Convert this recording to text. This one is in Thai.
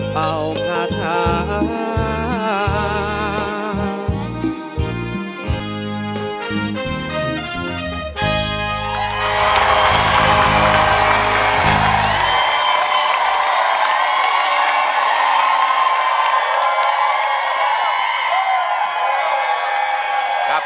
เป่าขทะม